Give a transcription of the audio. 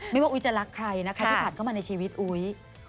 ไม่ว่าอุ๊ยจะรักใครนะคะที่ผ่านมาในชีวิตอุ๊ย